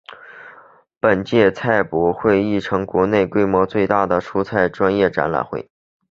本届菜博会亦成为国内规模最大的蔬菜专业展会。